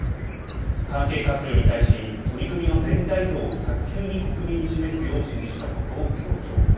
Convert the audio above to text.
関係閣僚に対し取り組みの全体像を早急に国民に示すよう指示したことを強調。